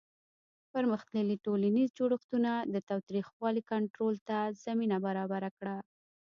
پرمختللي ټولنیز جوړښتونه د تاوتریخوالي کنټرول ته زمینه برابره کړه.